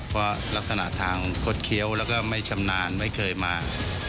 เพราะลักษณะทางคดเคี้ยวแล้วก็ไม่ชำนาญไม่เคยมา